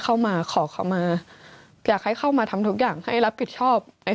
เข้ามาขอเข้ามาอยากให้เข้ามาทำทุกอย่างให้รับผิดชอบไอ้